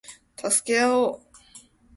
助け合おう